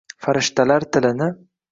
farishtalar tilini